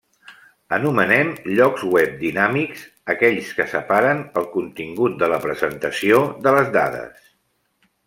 Anomenem llocs web dinàmics, aquells que separen el contingut de la presentació de les dades.